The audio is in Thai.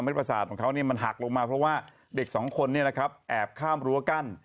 มันหักลงมาเพราะว่าเด็กสองคนเนี่ยนะครับแอบข้ามรั้วกั้น